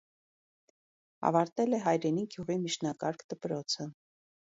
Ավարտել է հայրենի գյուղի միջնակարգ դպրոցը։